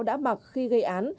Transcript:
đã mặc khi gây án